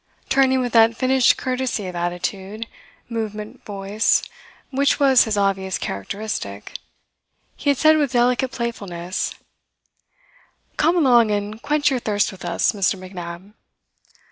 Turning with that finished courtesy of attitude, movement voice, which was his obvious characteristic, he had said with delicate playfulness: "Come along and quench your thirst with us, Mr. McNab!"